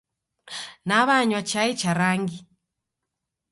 Naw'anywa chai cha rangi.